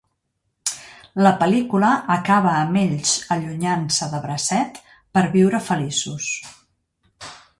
La pel·lícula acaba amb ells allunyant-se, de bracet, per viure feliços.